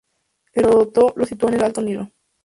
Herodoto lo situó en el Alto Nilo.